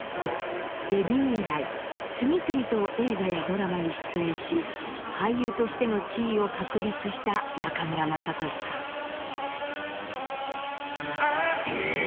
デビュー以来次々と映画やドラマに出演し俳優としての地位を確立した中村雅俊さん。